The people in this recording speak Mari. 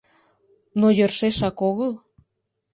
— Но йӧршешак огыл.